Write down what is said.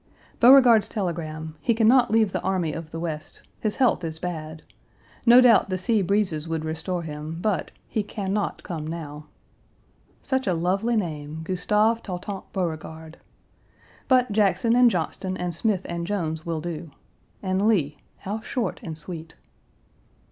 Beauregard's telegram: he can not leave the army of the West. His health is bad. No doubt the sea breezes would restore him, but he can not come now. Such a lovely name Gustave Tautant Beauregard. But Jackson and Johnston and Smith and Jones will do and Lee, how short and sweet.